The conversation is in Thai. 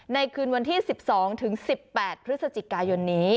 คืนวันที่๑๒ถึง๑๘พฤศจิกายนนี้